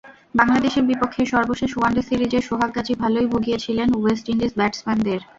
বাংলাদেশের বিপক্ষে সর্বশেষ ওয়ানডে সিরিজে সোহাগ গাজী ভালোই ভুগিয়েছিলেন ওয়েস্ট ইন্ডিজ ব্যাটসম্যানদের।